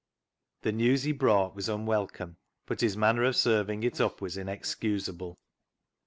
The news he brought was unwelcome, but his manner of serving it up was inexcusable.